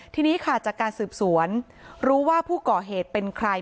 ทีนี้ค่ะจากการสืบสวนรู้ว่าผู้ก่อเหตุเป็นใคร